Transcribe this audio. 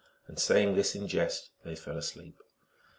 And, saying this in jest, they fell asleep.